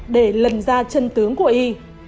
để lần ra chân tướng của y